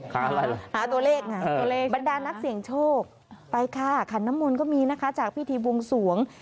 หาตัวเลขบันดานักเสียงโชคไปฆ่าขันนมนต์ก็มีนะคะจากพิธีบรวงสวง